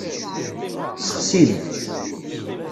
Ssexsin-t.